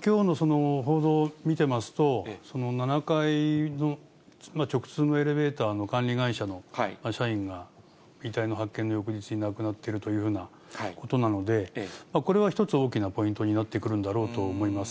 きょうのその報道を見てますと、７階の直通のエレベーターの管理会社の社員が、遺体の発見の翌日に亡くなってるというふうなことなので、これは一つ大きなポイントになってくるんだろうと思います。